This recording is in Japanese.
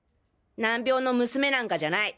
難病の娘なんかじゃない。